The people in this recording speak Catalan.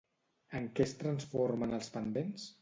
En què es transformen els pendents?